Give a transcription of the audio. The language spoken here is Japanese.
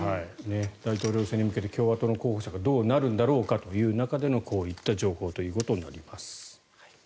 大統領選に向けて共和党の候補者がどうなるんだろうかという中でのこういった情報となります。